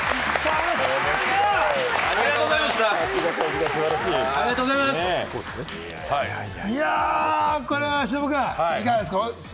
さすが！いや、これは忍君、いかがですか？